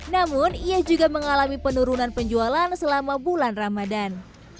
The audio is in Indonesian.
namun ia juga mengalami penurunan penjualan selama bulan ramadan